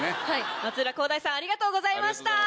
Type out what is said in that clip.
松浦航大さんありがとうございました。